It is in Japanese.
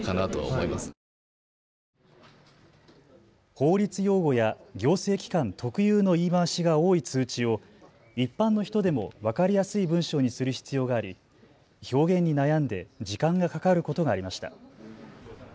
法律用語や行政機関特有の言い回しが多い通知を一般の人でも分かりやすい文章にする必要があり、表現に悩んで時間がかかることがありました。